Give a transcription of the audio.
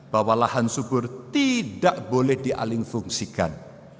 bahwa lahan subur tidak boleh dialing fungsikan